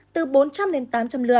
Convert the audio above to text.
từ bốn trăm linh tám trăm linh lượt